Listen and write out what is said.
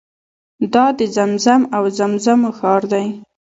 دا د زمزم او زمزمو ښار دی.